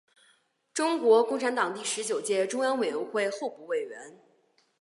中国共产党第十九届中央委员会候补委员。